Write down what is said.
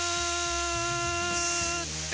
って